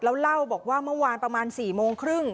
แล้วเล่าบอกว่าเมื่อวานประมาณ๔โมงครึ่ง